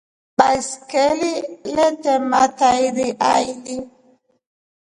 Baskeli lete matairi aili.